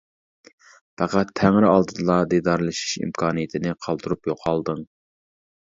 پەقەت تەڭرى ئالدىدىلا دىدارلىشىش ئىمكانىيىتىنى قالدۇرۇپ يوقالدىڭ.